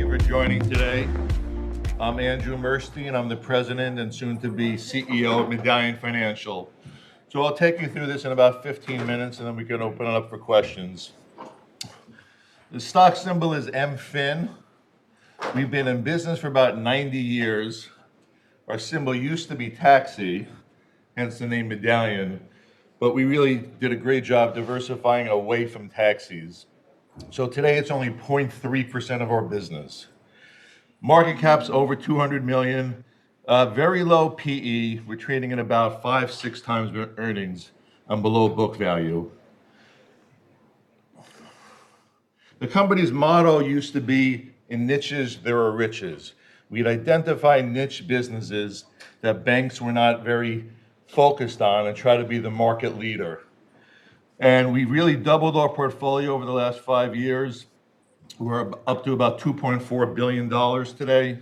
Thank you for joining today. I'm Andrew Murstein, and I'm the President and soon-to-be CEO of Medallion Financial. So I'll take you through this in about 15 minutes, and then we can open it up for questions. The stock symbol is MFIN. We've been in business for about 90 years. Our symbol used to be taxi, hence the name Medallion. But we really did a great job diversifying away from taxis. So today it's only 0.3% of our business. Market cap's over $200 million, very low PE. We're trading at about five, six times our earnings and below book value. The company's motto used to be, "In niches, there are riches." We'd identify niche businesses that banks were not very focused on and try to be the market leader. And we've really doubled our portfolio over the last five years. We're up to about $2.4 billion today.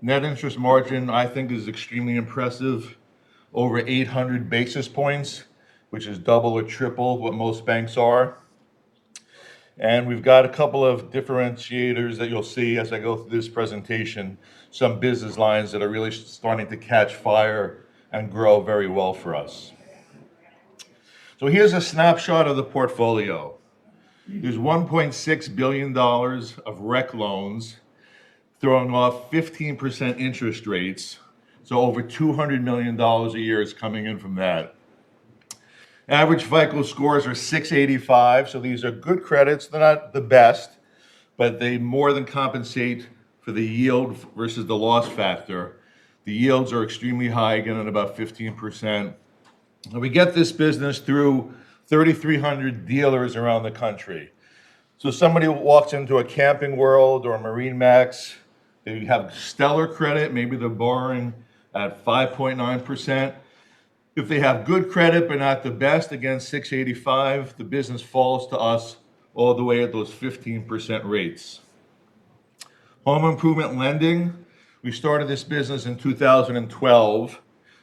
Net interest margin, I think, is extremely impressive, over 800 basis points, which is double or triple what most banks are. And we've got a couple of differentiators that you'll see as I go through this presentation, some business lines that are really starting to catch fire and grow very well for us. So here's a snapshot of the portfolio. There's $1.6 billion of rec loans thrown off 15% interest rates. So over $200 million a year is coming in from that. Average FICO scores are 685, so these are good credits. They're not the best, but they more than compensate for the yield versus the loss factor. The yields are extremely high, getting about 15%. And we get this business through 3,300 dealers around the country. So somebody who walks into a Camping World or a MarineMax, they have stellar credit, maybe they're borrowing at 5.9%. If they have good credit but not the best, again, 685, the business falls to us all the way at those 15% rates. Home improvement lending, we started this business in 2012.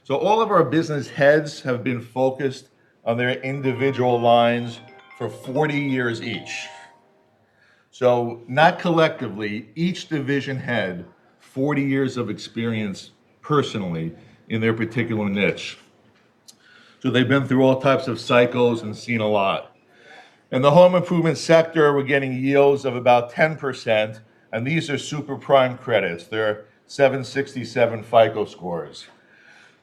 So all of our business heads have been focused on their individual lines for 40 years each. So not collectively, each division head, 40 years of experience personally in their particular niche. So they've been through all types of cycles and seen a lot. In the home improvement sector, we're getting yields of about 10%, and these are super prime credits. They're 767 FICO scores.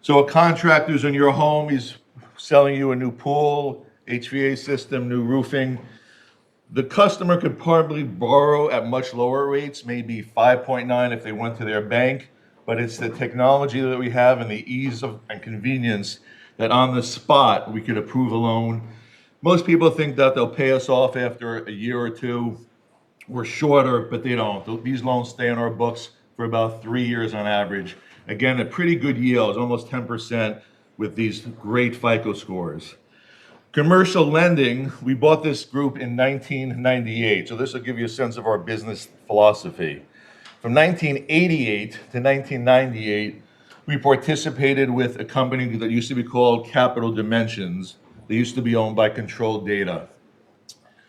So a contractor's in your home, he's selling you a new pool, HVAC system, new roofing. The customer could probably borrow at much lower rates, maybe 5.9% if they went to their bank, but it's the technology that we have and the ease and convenience that on the spot we could approve a loan. Most people think that they'll pay us off after a year or two. We're shorter, but they don't. These loans stay in our books for about three years on average. Again, a pretty good yield, almost 10% with these great FICO scores. Commercial lending, we bought this group in 1998. So this will give you a sense of our business philosophy. From 1988 to 1998, we participated with a company that used to be called Capital Dimensions. They used to be owned by Control Data.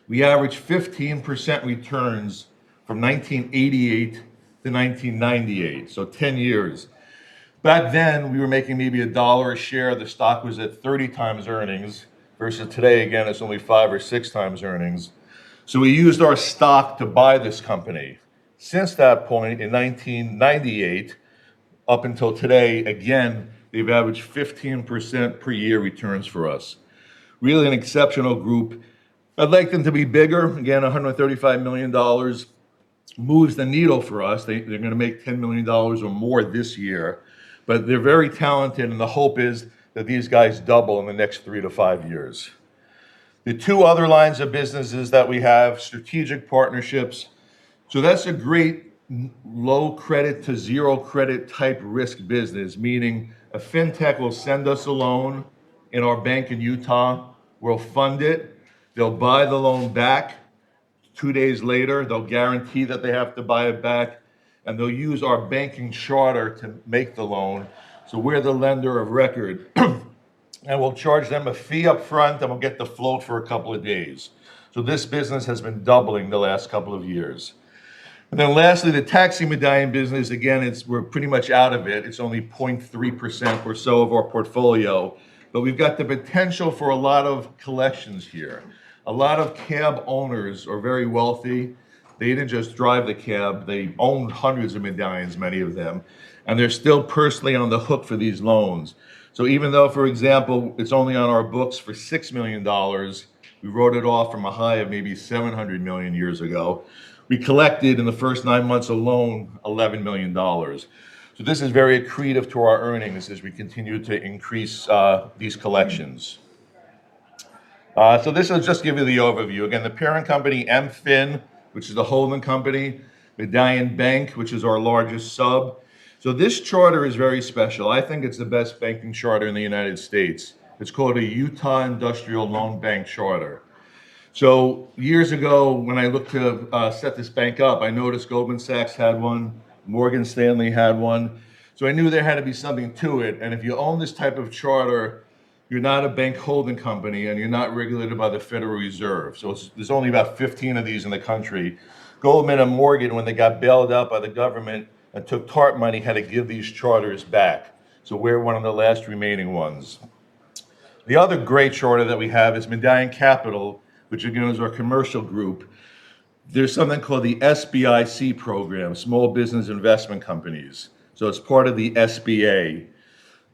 We averaged 15% returns from 1988 to 1998, so 10 years. Back then, we were making maybe $1 a share. The stock was at 30 times earnings versus today, again, it's only five or six times earnings, so we used our stock to buy this company. Since that point, in 1998 up until today, again, they've averaged 15% per year returns for us. Really an exceptional group. I'd like them to be bigger, again, $135 million. Moves the needle for us. They're going to make $10 million or more this year, but they're very talented, and the hope is that these guys double in the next three to five years. The two other lines of businesses that we have, strategic partnerships, so that's a great low credit to zero credit type risk business, meaning a fintech will send us a loan in our bank in Utah. We'll fund it. They'll buy the loan back. Two days later, they'll guarantee that they have to buy it back, and they'll use our banking charter to make the loan, so we're the lender of record, and we'll charge them a fee upfront, and we'll get the float for a couple of days, so this business has been doubling the last couple of years, and then lastly, the taxi Medallion business, again, we're pretty much out of it. It's only 0.3% or so of our portfolio, but we've got the potential for a lot of collections here. A lot of cab owners are very wealthy. They didn't just drive the cab. They owned hundreds of Medallions, many of them, and they're still personally on the hook for these loans, so even though, for example, it's only on our books for $6 million, we wrote it off from a high of maybe $700 million years ago. We collected in the first nine months alone $11 million. So this is very accretive to our earnings as we continue to increase these collections. So this will just give you the overview. Again, the parent company MFIN, which is the holding company, Medallion Bank, which is our largest sub. So this charter is very special. I think it's the best banking charter in the United States. It's called a Utah Industrial Loan Bank Charter. So years ago, when I looked to set this bank up, I noticed Goldman Sachs had one, Morgan Stanley had one. So I knew there had to be something to it. And if you own this type of charter, you're not a bank holding company, and you're not regulated by the Federal Reserve. So there's only about 15 of these in the country. Goldman and Morgan, when they got bailed out by the government and took TARP money, had to give these charters back. So we're one of the last remaining ones. The other great charter that we have is Medallion Capital, which again is our commercial group. There's something called the SBIC program, Small Business Investment Companies. So it's part of the SBA.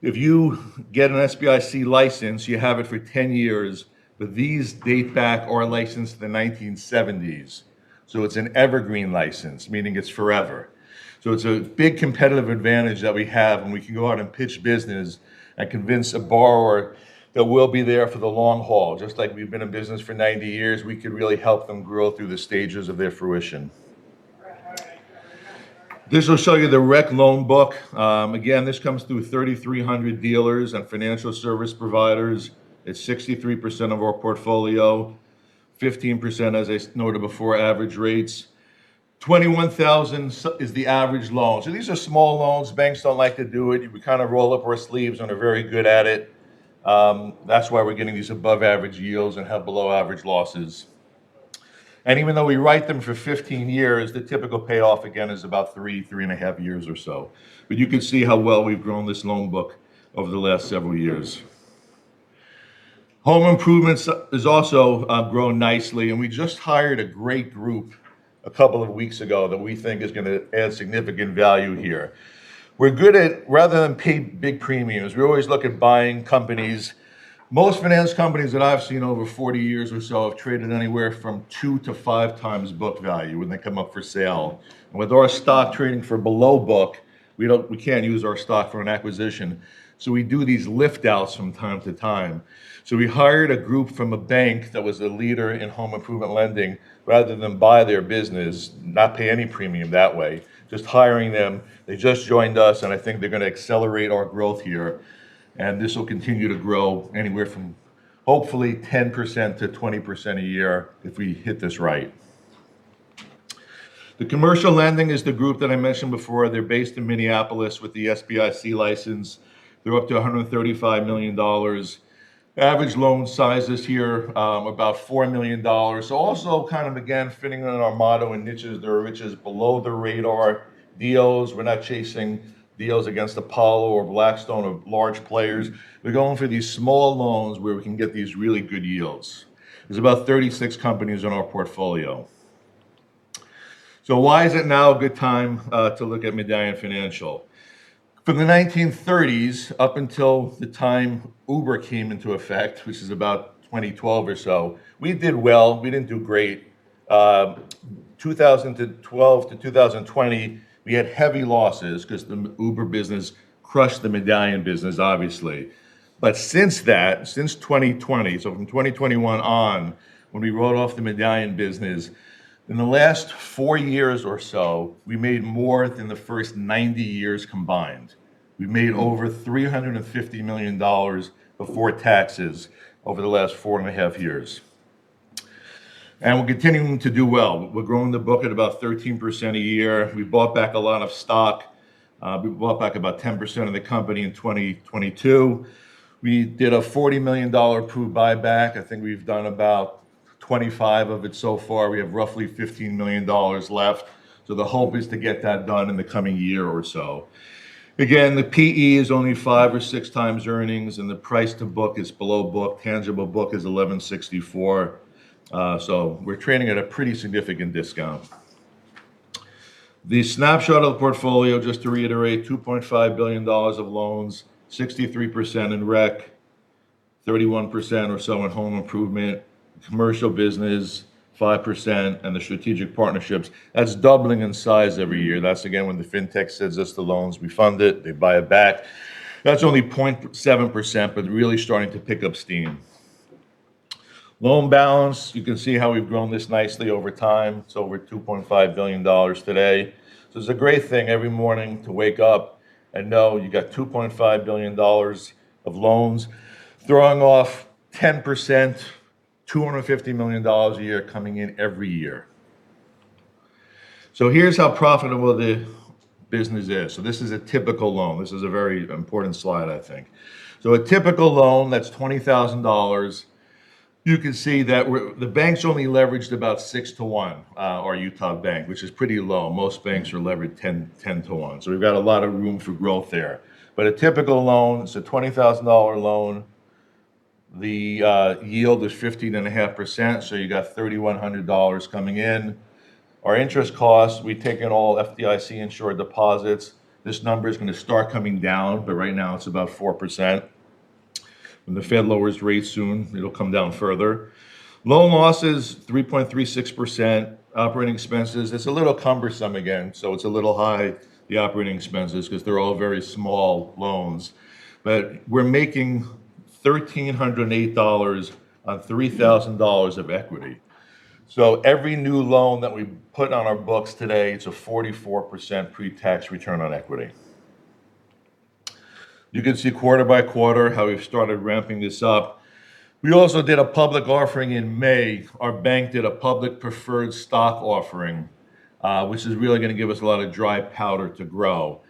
If you get an SBIC license, you have it for 10 years, but these date back, our license, to the 1970s. So it's an evergreen license, meaning it's forever. So it's a big competitive advantage that we have when we can go out and pitch business and convince a borrower that we'll be there for the long haul. Just like we've been in business for 90 years, we could really help them grow through the stages of their fruition. This will show you the rec loan book. Again, this comes through 3,300 dealers and financial service providers. It's 63% of our portfolio, 15%, as I noted before, average rates. 21,000 is the average loan. So these are small loans. Banks don't like to do it. We kind of roll up our sleeves when we're very good at it. That's why we're getting these above-average yields and have below-average losses. And even though we write them for 15 years, the typical payoff, again, is about three, three and a half years or so. But you can see how well we've grown this loan book over the last several years. Home improvements have also grown nicely, and we just hired a great group a couple of weeks ago that we think is going to add significant value here. We're good at, rather than pay big premiums, we always look at buying companies. Most finance companies that I've seen over 40 years or so have traded anywhere from two to five times book value when they come up for sale. And with our stock trading for below book, we can't use our stock for an acquisition. So we do these lift-outs from time to time. So we hired a group from a bank that was a leader in home improvement lending rather than buy their business, not pay any premium that way, just hiring them. They just joined us, and I think they're going to accelerate our growth here. And this will continue to grow anywhere from hopefully 10%-20% a year if we hit this right. The commercial lending is the group that I mentioned before. They're based in Minneapolis with the SBIC license. They're up to $135 million. Average loan sizes here, about $4 million. So also kind of, again, fitting in our motto in niches, there's riches below the radar deals. We're not chasing deals against Apollo or Blackstone or large players. We're going for these small loans where we can get these really good yields. There's about 36 companies in our portfolio. So why is it now a good time to look at Medallion Financial? From the 1930s up until the time Uber came into effect, which is about 2012 or so, we did well. We didn't do great. 2012 to 2020, we had heavy losses because the Uber business crushed the Medallion business, obviously. But since that, since 2020, so from 2021 on, when we rolled off the Medallion business, in the last four years or so, we made more than the first 90 years combined. We made over $350 million before taxes over the last four and a half years. We're continuing to do well. We're growing the book at about 13% a year. We bought back a lot of stock. We bought back about 10% of the company in 2022. We did a $40 million approved buyback. I think we've done about 25 of it so far. We have roughly $15 million left. The hope is to get that done in the coming year or so. Again, the PE is only five or six times earnings, and the price to book is below book. Tangible book is 1164. So we're trading at a pretty significant discount. The snapshot of the portfolio, just to reiterate, $2.5 billion of loans, 63% in rec, 31% or so in home improvement, commercial business 5%, and the strategic partnerships. That's doubling in size every year. That's again when the fintech sends us the loans, we fund it, they buy it back. That's only 0.7%, but really starting to pick up steam. Loan balance. You can see how we've grown this nicely over time. It's over $2.5 billion today. So it's a great thing every morning to wake up and know you got $2.5 billion of loans, throwing off 10%, $250 million a year coming in every year. So here's how profitable the business is. So this is a typical loan. This is a very important slide, I think. So a typical loan. That's $20,000. You can see that the banks only leveraged about 6 to 1, our Utah Bank, which is pretty low. Most banks are leveraged 10 to 1. So we've got a lot of room for growth there. But a typical loan. It's a $20,000 loan. The yield is 15.5%, so you got $3,100 coming in. Our interest costs. We take in all FDIC-insured deposits. This number is going to start coming down, but right now it's about 4%. When the Fed lowers rates soon, it'll come down further. Loan losses, 3.36%. Operating expenses, it's a little cumbersome again, so it's a little high, the operating expenses, because they're all very small loans. But we're making $1,308 on $3,000 of equity. So every new loan that we put on our books today, it's a 44% pre-tax return on equity. You can see quarter by quarter how we've started ramping this up. We also did a public offering in May. Our bank did a public preferred stock offering, which is really going to give us a lot of dry powder to grow.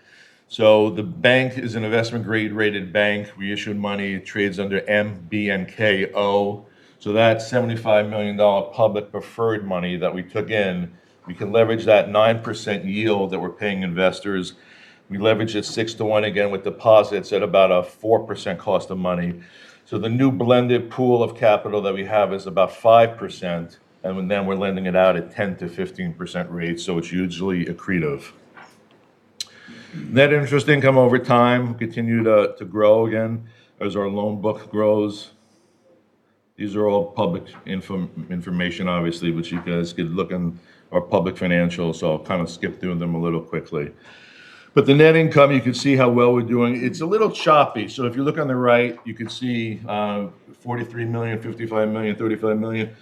So the bank is an investment-grade rated bank. We issued money, trades under MBNKP. That $75 million public preferred money that we took in, we can leverage that 9% yield that we're paying investors. We leverage it 6 to 1 again with deposits at about a 4% cost of money. The new blended pool of capital that we have is about 5%, and then we're lending it out at 10%-15% rates. It's usually accretive. Net interest income over time will continue to grow again as our loan book grows. These are all public information, obviously, which you guys could look in our public financials, so I'll kind of skip through them a little quickly. The net income, you can see how well we're doing. It's a little choppy. If you look on the right, you can see $43 million, $55 million, $35 million.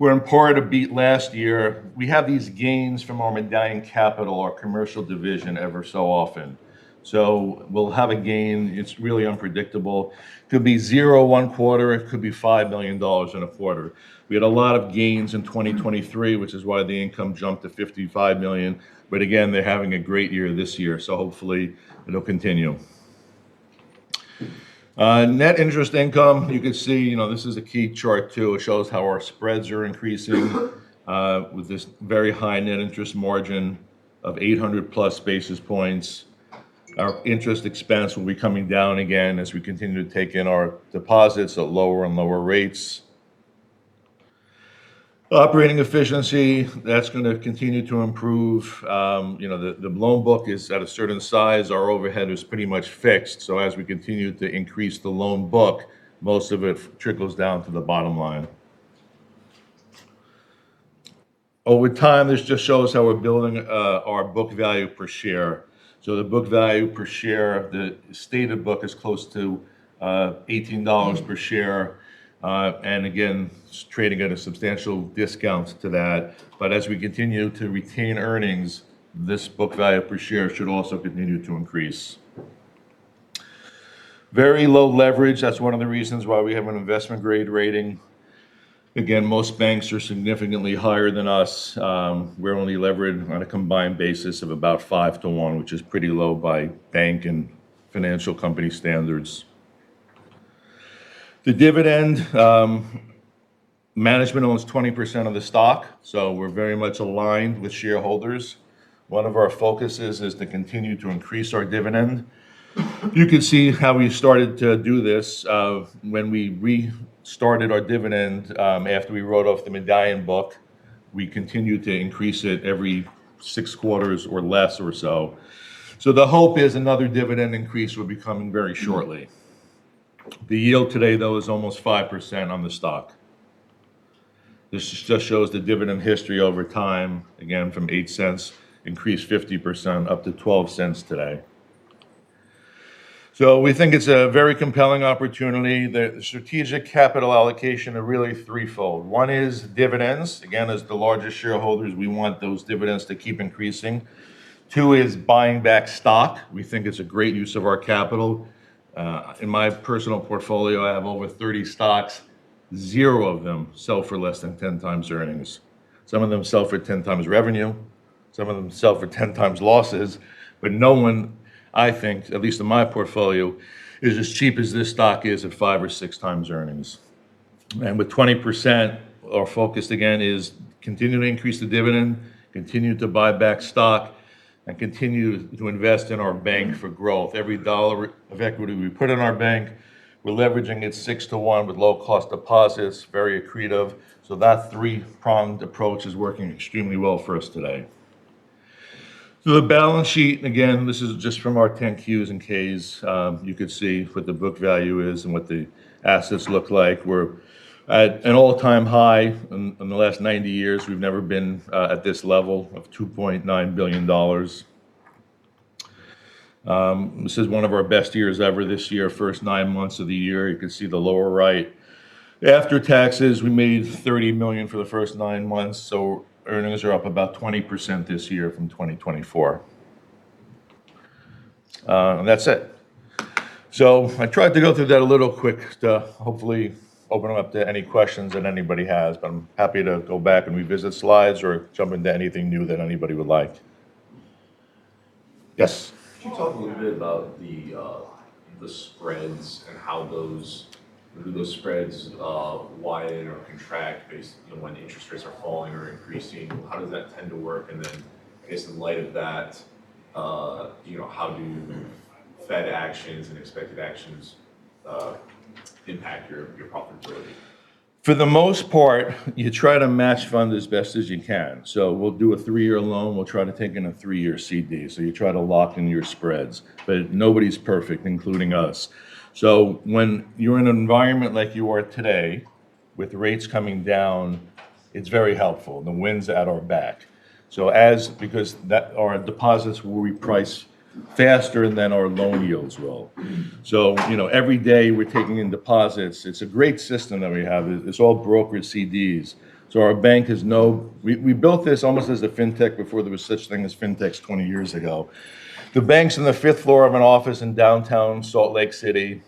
We're in part of beat last year. We have these gains from our Medallion Capital, our commercial division ever so often. So we'll have a gain. It's really unpredictable. It could be zero one quarter. It could be $5 million in a quarter. We had a lot of gains in 2023, which is why the income jumped to $55 million. But again, they're having a great year this year, so hopefully it'll continue. Net interest income, you can see this is a key chart too. It shows how our spreads are increasing with this very high net interest margin of 800 plus basis points. Our interest expense will be coming down again as we continue to take in our deposits at lower and lower rates. Operating efficiency, that's going to continue to improve. The loan book is at a certain size. Our overhead is pretty much fixed. So as we continue to increase the loan book, most of it trickles down to the bottom line. Over time, this just shows how we're building our book value per share. So the book value per share, the stated book is close to $18 per share. And again, trading at a substantial discount to that. But as we continue to retain earnings, this book value per share should also continue to increase. Very low leverage. That's one of the reasons why we have an investment-grade rating. Again, most banks are significantly higher than us. We're only leveraged on a combined basis of about 5 to 1, which is pretty low by bank and financial company standards. The dividend. Management owns 20% of the stock, so we're very much aligned with shareholders. One of our focuses is to continue to increase our dividend. You can see how we started to do this. When we restarted our dividend after we wrote off the Medallion book, we continued to increase it every six quarters or less or so. So the hope is another dividend increase will be coming very shortly. The yield today, though, is almost 5% on the stock. This just shows the dividend history over time. Again, from $0.08, increased 50% up to $0.12 today. So we think it's a very compelling opportunity. The strategic capital allocation is really threefold. One is dividends. Again, as the largest shareholders, we want those dividends to keep increasing. Two is buying back stock. We think it's a great use of our capital. In my personal portfolio, I have over 30 stocks. Zero of them sell for less than 10 times earnings. Some of them sell for 10 times revenue. Some of them sell for 10 times losses. But no one, I think, at least in my portfolio, is as cheap as this stock is at five or six times earnings. And with 20%, our focus again is to continue to increase the dividend, continue to buy back stock, and continue to invest in our bank for growth. Every dollar of equity we put in our bank, we're leveraging it six to one with low-cost deposits, very accretive. So that three-pronged approach is working extremely well for us today. So the balance sheet, again, this is just from our 10-Qs and 10-Ks. You could see what the book value is and what the assets look like. We're at an all-time high in the last 90 years. We've never been at this level of $2.9 billion. This is one of our best years ever this year, first nine months of the year. You can see the lower right. After taxes, we made $30 million for the first nine months. So earnings are up about 20% this year from 2024. And that's it. So I tried to go through that a little quick to hopefully open up to any questions that anybody has, but I'm happy to go back and revisit slides or jump into anything new that anybody would like. Yes. Could you talk a little bit about the spreads and how those spreads widen or contract when interest rates are falling or increasing? How does that tend to work? And then, I guess in light of that, how do Fed actions and expected actions impact your profitability? For the most part, you try to match fund as best as you can. So we'll do a three-year loan. We'll try to take in a three-year CD. So you try to lock in your spreads. But nobody's perfect, including us. So when you're in an environment like you are today with rates coming down, it's very helpful. The wind's at our back. So because our deposits will reprice faster than our loan yields will. So every day we're taking in deposits. It's a great system that we have. It's all brokered CDs. So our bank is. No, we built this almost as a fintech before there was such a thing as fintechs 20 years ago. The bank is on the fifth floor of an office in downtown Salt Lake City.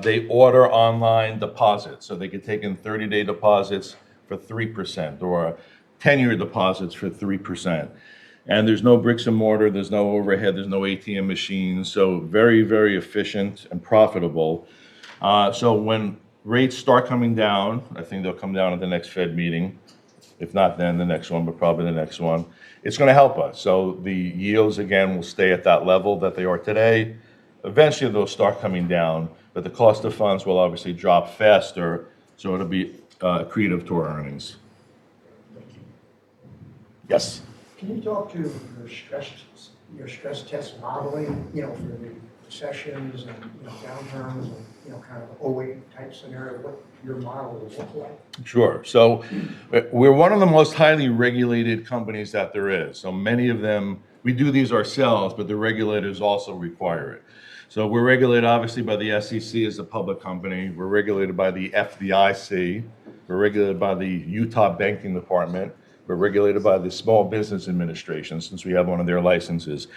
They order online deposits. So they could take in 30-day deposits for 3% or 10-year deposits for 3%. And there's no brick and mortar. There's no overhead. There's no ATM machines. So very, very efficient and profitable. So when rates start coming down, I think they'll come down at the next Fed meeting. If not, then the next one, but probably the next one. It's going to help us. So the yields, again, will stay at that level that they are today. Eventually, they'll start coming down, but the cost of funds will obviously drop faster. So it'll be accretive to our earnings. Yes. Can you talk to your stress test modeling for the recessions and downturns and kind of the 2008 type scenario? What your model will look like? Sure. So we're one of the most highly regulated companies that there is. So many of them, we do these ourselves, but the regulators also require it. So we're regulated, obviously, by the SEC as a public company. We're regulated by the FDIC. We're regulated by the Utah Banking Department. We're regulated by the Small Business Administration since we have one of their licenses,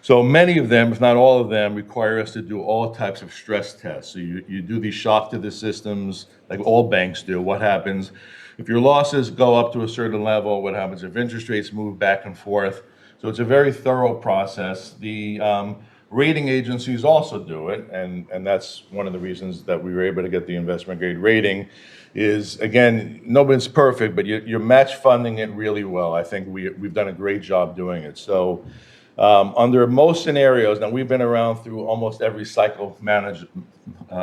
so many of them, if not all of them, require us to do all types of stress tests, so you do these shock to the systems, like all banks do. What happens if your losses go up to a certain level? What happens if interest rates move back and forth? So it's a very thorough process. The rating agencies also do it, and that's one of the reasons that we were able to get the investment-grade rating is, again, nobody's perfect, but you're match-funding it really well. I think we've done a great job doing it, so under most scenarios, now we've been around through almost every cycle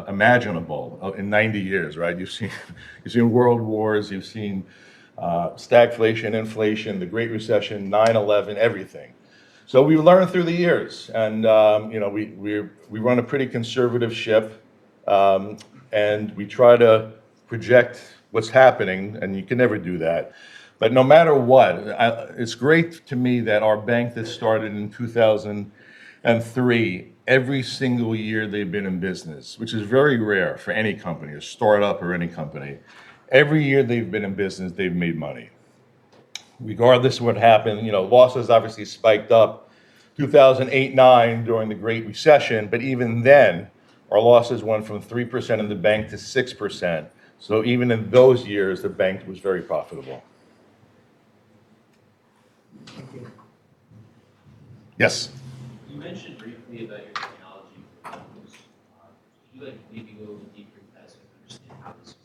imaginable in 90 years, right? You've seen world wars. You've seen stagflation, inflation, the Great Recession, 9/11, everything, so we've learned through the years. And we run a pretty conservative ship, and we try to project what's happening, and you can never do that. But no matter what, it's great to me that our bank that started in 2003, every single year they've been in business, which is very rare for any company, a startup or any company. Every year they've been in business, they've made money. Regardless of what happened, losses obviously spiked up 2008, 2009 during the Great Recession, but even then, our losses went from 3% in the bank to 6%. So even in those years, the bank was very profitable. Thank you. Yes. You mentioned briefly about your technology for companies. Would you like to maybe go a little deeper into that so we can understand how this is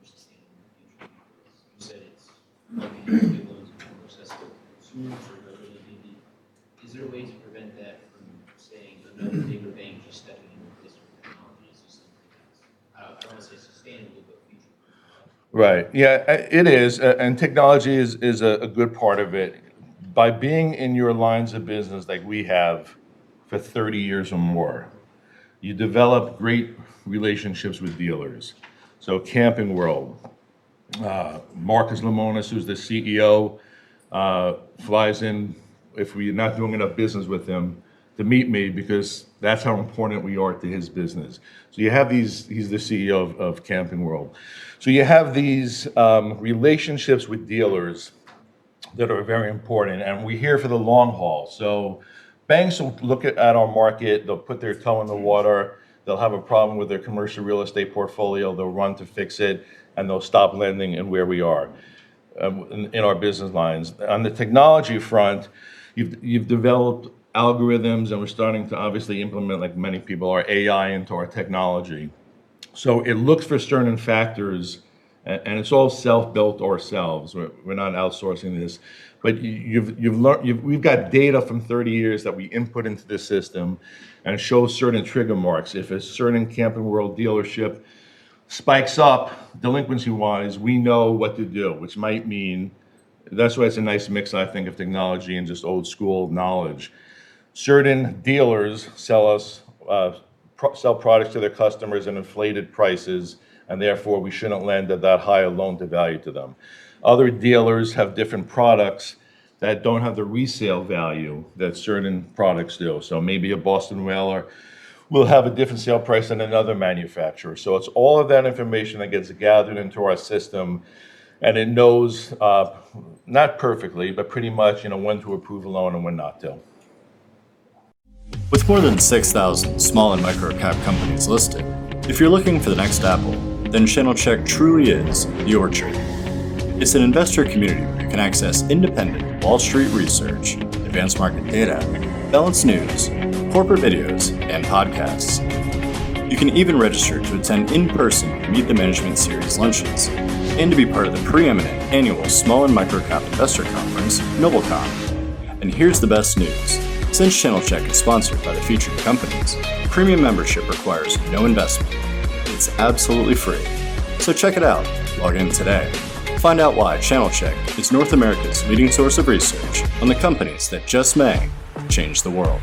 going to be much more sustainable in the future? You said it's going to be more accessible to consumers or whatever they need. Is there a way to prevent that from saying another bigger bank just stepping in and replacing technology or something like that? I don't want to say sustainable, but future-proof. Right. Yeah, it is. And technology is a good part of it. By being in your lines of business like we have for 30 years or more, you develop great relationships with dealers. So Camping World, Marcus Lemonis, who's the CEO, flies in if we're not doing enough business with him to meet me because that's how important we are to his business. So you have these. He's the CEO of Camping World. So you have these relationships with dealers that are very important. And we're here for the long haul. So banks will look at our market. They'll put their toe in the water. They'll have a problem with their commercial real estate portfolio. They'll run to fix it, and they'll stop lending in where we are in our business lines. On the technology front, you've developed algorithms, and we're starting to obviously implement, like many people, our AI into our technology. So it looks for certain factors, and it's all self-built ourselves. We're not outsourcing this. But we've got data from 30 years that we input into this system and show certain trigger marks. If a certain Camping World dealership spikes up delinquency-wise, we know what to do, which might mean, that's why it's a nice mix, I think, of technology and just old-school knowledge. Certain dealers sell products to their customers at inflated prices, and therefore, we shouldn't lend at that high a loan to value to them. Other dealers have different products that don't have the resale value that certain products do. So maybe a Boston Whaler will have a different sale price than another manufacturer. So it's all of that information that gets gathered into our system, and it knows not perfectly, but pretty much when to approve a loan and when not to. With more than 6,000 small and micro-cap companies listed, if you're looking for the next Apple, then Channel Check truly is the orchard. It's an investor community where you can access independent Wall Street research, advanced market data, balanced news, corporate videos, and podcasts. You can even register to attend in-person Meet the Management Series lunches and to be part of the preeminent annual small and micro-cap investor conference, NobleCon. And here's the best news. Since Channel Check is sponsored by the featured companies, premium membership requires no investment. It's absolutely free. So check it out. Log in today. Find out why Channel Check is North America's leading source of research on the companies that just may change the world.